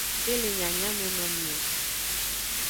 De le nyanyamenomi o.